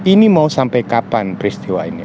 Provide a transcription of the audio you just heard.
ini mau sampai kapan peristiwa ini